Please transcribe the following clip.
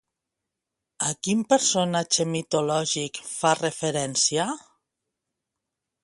A quin personatge mitològic fa referència?